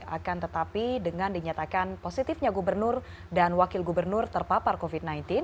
akan tetapi dengan dinyatakan positifnya gubernur dan wakil gubernur terpapar covid sembilan belas